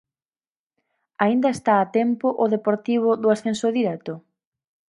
Aínda está a tempo o Deportivo do ascenso directo?